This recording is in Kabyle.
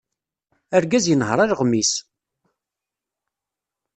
Argaz yenher alɣem-is.